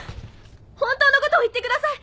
本当のことを言ってください！